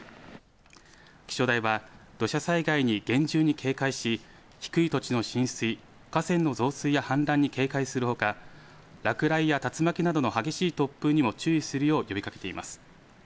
気象台は土砂災害に厳重に警戒し低い土地の浸水河川の増水や氾濫に警戒するほか落雷や竜巻などの激しい突風にも注意するよう呼びかけています。